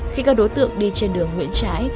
khi các đối tượng đi trên đường nguyễn trãi